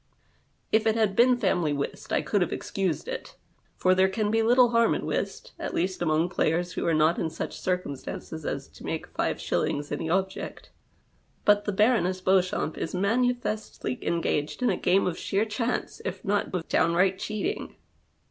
If it had been family whist, I could have excused it, for there can be little harm in whist, at least among players who are not in such circumstances as to make five shillings any object. But the Baroness Beauxchamps is manifestly engaged in a game of sheer chance, if not of downright cheating.